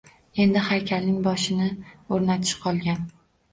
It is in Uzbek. Endi haykalning boshini o‘rnatish qolgan.